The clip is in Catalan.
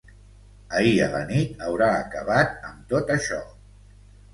Ahir a la nit haurà acabat amb tot això.